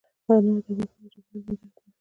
انار د افغانستان د چاپیریال د مدیریت لپاره مهم دي.